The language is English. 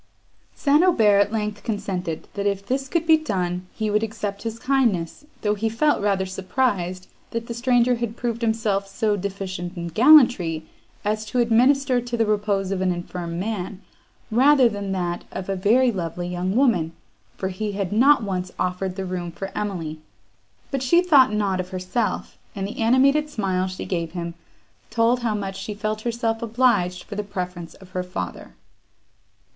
St. Aubert at length consented, that, if this could be done, he would accept his kindness, though he felt rather surprised, that the stranger had proved himself so deficient in gallantry, as to administer to the repose of an infirm man, rather than to that of a very lovely young woman, for he had not once offered the room for Emily. But she thought not of herself, and the animated smile she gave him, told how much she felt herself obliged for the preference of her father.